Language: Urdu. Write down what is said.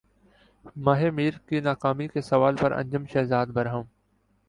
ماہ میر کی ناکامی کے سوال پر انجم شہزاد برہم